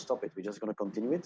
tapi akan berlangsung secara online